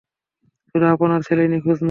শুধু আপনার ছেলেই নিখোঁজ নয়।